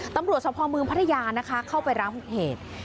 ตำรวจภอมูลพระยาเข้าไปร้านหุ้งเหตุ